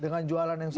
dengan jualan yang sama